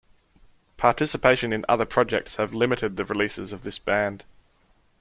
Participation in other projects have limited the releases of this band.